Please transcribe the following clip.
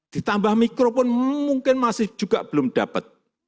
ditambah mikro pun mungkin masih juga belum dapat